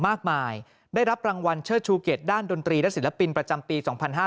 มากมายได้รับรางวัลเชิดชูเกียรติด้านดนตรีและศิลปินประจำปี๒๕๕๙